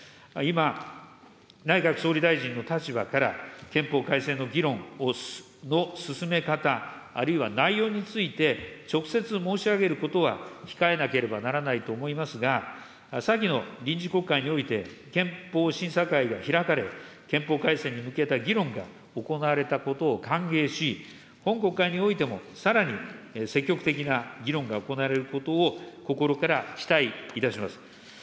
今、内閣総理大臣の立場から、憲法改正の議論の進め方、あるいは内容について直接申し上げることは控えなければならないと思いますが、先の臨時国会において、憲法審査会が開かれ、憲法改正に向けた議論が行われたことを歓迎し、本国会においても、さらに積極的な議論が行われることを心から期待いたします。